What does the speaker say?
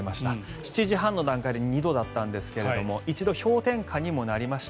７時半の段階で２度だったんですけども一度氷点下にもなりました。